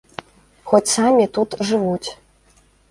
Хоць самі тут жывуць!